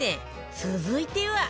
続いては